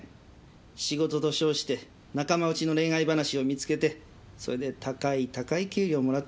仕事と称して仲間内の恋愛話を見つけてそれで高い高い給料もらってるんだから。